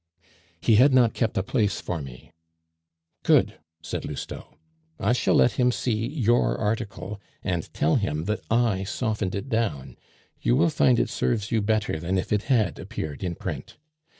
"He had not kept a place for me." "Good," said Lousteau. "I shall let him see your article, and tell him that I softened it down; you will find it serves you better than if it had appeared in print.